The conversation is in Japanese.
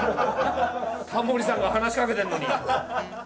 タモリさんが話しかけてるのに。